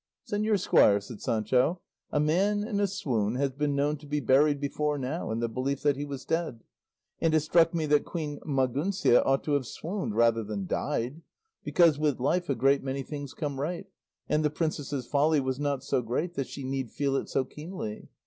"Señor Squire," said Sancho, "a man in a swoon has been known to be buried before now, in the belief that he was dead; and it struck me that Queen Maguncia ought to have swooned rather than died; because with life a great many things come right, and the princess's folly was not so great that she need feel it so keenly.